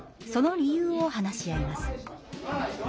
その理由を話し合います。